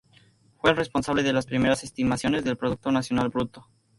Fue el responsable de las primeras estimaciones del Producto Nacional Bruto.